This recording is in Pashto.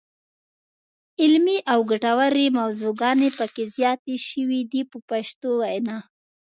علمي او ګټورې موضوعګانې پکې زیاتې شوې دي په پښتو وینا.